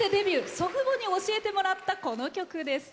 祖父母に教えてもらったこの曲です。